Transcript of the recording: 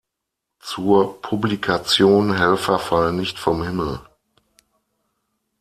Zur Publikation "Helfer fallen nicht vom Himmel.